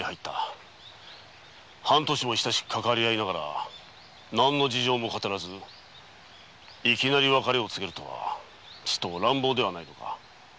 半年も親しくかかわり合いながら事情も語らず別れを告げるとはチト乱暴ではないか？